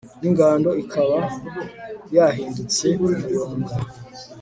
n'ingando ikaba yahindutse umuyonga